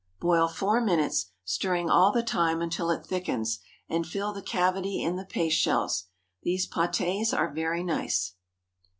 Boil four minutes, stirring all the time until it thickens, and fill the cavity in the paste shells. These pâtés are very nice.